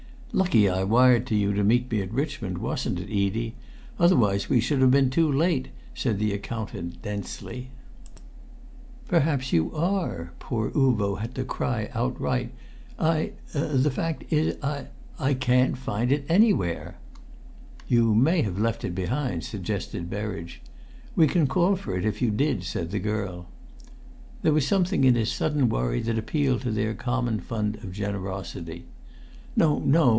"Lucky I wired to you to meet me at Richmond, wasn't it, Edie? Otherwise we should have been too late," said the accountant densely. "Perhaps you are!" poor Uvo had to cry outright. "I the fact is I can't find it anywhere." "You may have left it behind," suggested Berridge. "We can call for it, if you did," said the girl. There was something in his sudden worry that appealed to their common fund of generosity. "No, no!